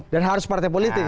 dan harus partai politik